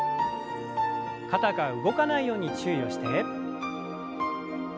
肩が動かないように注意をして。